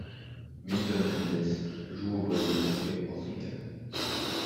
Milton Mendes joue au Brésil et au Portugal.